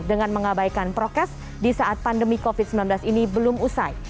dengan mengabaikan prokes di saat pandemi covid sembilan belas ini belum usai